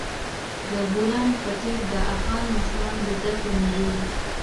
د بولان پټي د افغان ماشومانو د زده کړې موضوع ده.